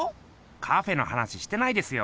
カフェの話してないですよ。